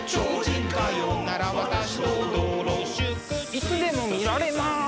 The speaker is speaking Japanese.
いつでも見られます！